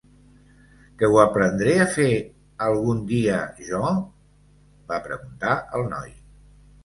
"Que ho aprendré a fer algun dia, jo?", va preguntar el noi.